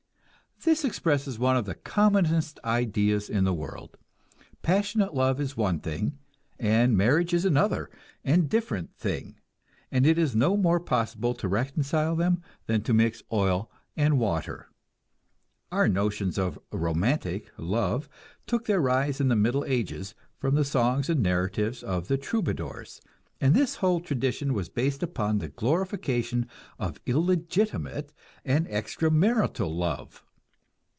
This expresses one of the commonest ideas in the world. Passionate love is one thing, and marriage is another and different thing, and it is no more possible to reconcile them than to mix oil and water. Our notions of "romantic" love took their rise in the Middle Ages, from the songs and narratives of the troubadours, and this whole tradition was based upon the glorification of illegitimate and extra marital love.